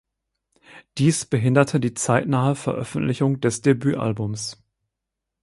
Dies behinderte die zeitnahe Veröffentlichung des Debütalbums.